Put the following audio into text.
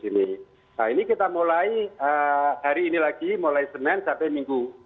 nah ini kita mulai hari ini lagi mulai senin sampai minggu